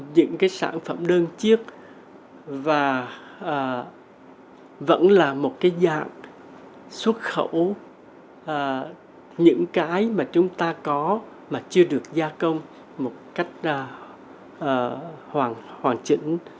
những cái sản phẩm đơn chiếc và vẫn là một cái dạng xuất khẩu những cái mà chúng ta có mà chưa được gia công một cách hoàn chỉnh